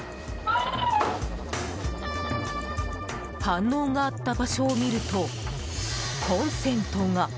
反応があった場所を見るとコンセントが。